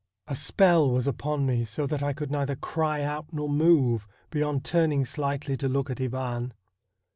A spell was upon me so that I could neither cry out nor move, beyond turning slightly to look at Ivan.